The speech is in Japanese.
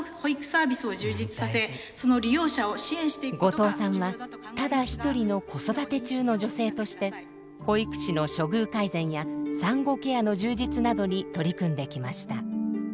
後藤さんはただ一人の子育て中の女性として保育士の処遇改善や産後ケアの充実などに取り組んできました。